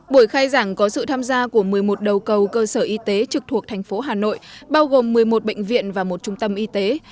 buổi khai giảng có sự tham gia của một mươi một đầu cầu cơ sở y tế trực thuộc thành phố hà nội bao gồm một mươi một bệnh viện và một trung tâm y tế